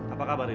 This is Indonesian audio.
apa kabar rida